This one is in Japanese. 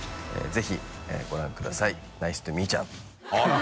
爾ご覧ください。